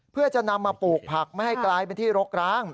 เพื่อจะนำมาปลูกผักไม่ให้กลายเป็นที่รกร้าง